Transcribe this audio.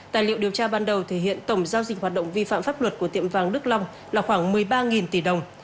tài liệu điều tra ban đầu thể hiện tổng giao dịch hoạt động vi phạm pháp luật của tiệm vàng đức long là khoảng một mươi ba tỷ đồng